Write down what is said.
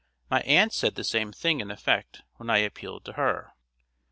My aunt said the same thing in effect when I appealed to her.